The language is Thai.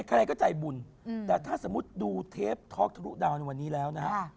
ใครก็ใจบุญแต่ถ้าสมมุติดูเทปท็อกทะลุดาวในวันนี้แล้วนะฮะ